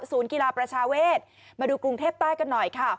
กีฬาประชาเวศมาดูกรุงเทพใต้กันหน่อยค่ะ